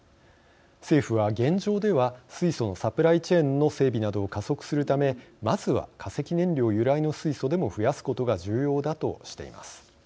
政府は、現状では水素のサプライチェーンの整備などを加速するためまずは化石燃料由来の水素でも増やすことが重要だとしています。